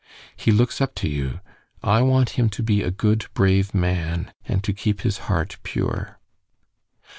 He looks up to you. I want him to be a good, brave man, and to keep his heart pure."